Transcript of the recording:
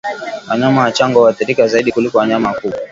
Wanyama wachanga huathirika zaidi kuliko wanyama wakubwa